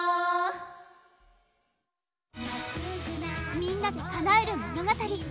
「みんなで叶える物語」。